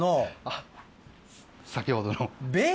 あっ先ほどの。